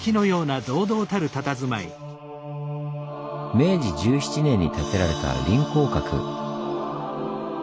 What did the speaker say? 明治１７年に建てられた臨江閣。